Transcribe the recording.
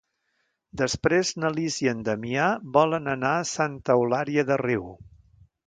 Divendres na Lis i en Damià volen anar a Santa Eulària des Riu.